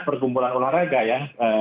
pergumulan olahraga ya